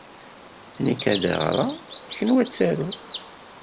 Nekk ad d-ɣreɣ, kenwi ad tarum.